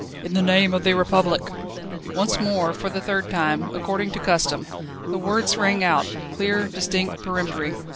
"In the name of the Republic!" Once more, for the third time according to custom the words rang out, clear, distinct, peremptory.